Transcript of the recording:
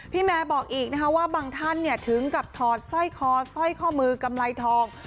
แม่บอกอีกนะคะว่าบางท่านถึงกับถอดสร้อยคอสร้อยข้อมือกำไรทอง